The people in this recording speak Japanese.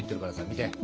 見て。